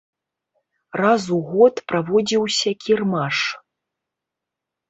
Раз у год праводзіўся кірмаш.